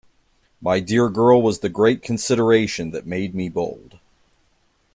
My dear girl was the great consideration that made me bold.